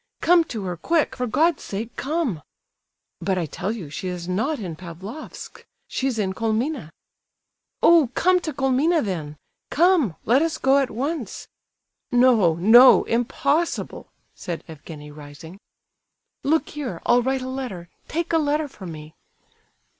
Come to her, quick—for God's sake, come!" "But I tell you she is not in Pavlofsk! She's in Colmina." "Oh, come to Colmina, then! Come—let us go at once!" "No—no, impossible!" said Evgenie, rising. "Look here—I'll write a letter—take a letter for me!"